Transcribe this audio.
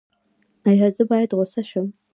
ایا زه باید غوسه شم؟